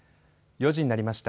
４時になりました。